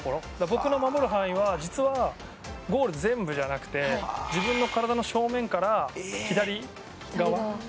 僕の守る範囲は実は、ゴール全部じゃなくて自分の体の正面から左側。